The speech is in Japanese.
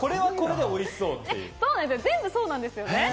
全部そうなんですよ。